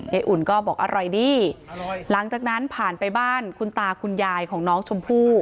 อุ่นก็บอกอร่อยดีหลังจากนั้นผ่านไปบ้านคุณตาคุณยายของน้องชมพู่